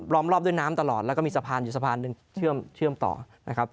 มรอบด้วยน้ำตลอดแล้วก็มีสะพานอยู่สะพานหนึ่งเชื่อมต่อนะครับ